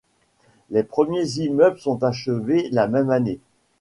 Les premiers immeubles sont achevés la même année.